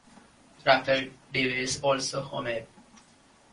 Rafael Devers also homered.